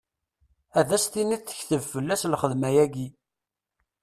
Ad as-tiniḍ tekteb fell-as lxedma-ayi.